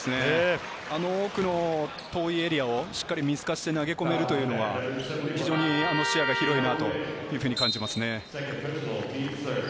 奥の遠いエリアをしっかり見透かして投げ込めるというのは非常に視野が広いなと感じますね。